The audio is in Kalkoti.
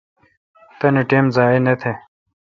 تانی ٹیم ضایع نہ تہ